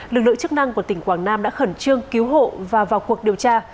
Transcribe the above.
lực lượng chức năng của tỉnh quảng nam đã khẩn trương cứu hộ và vào cuộc điều tra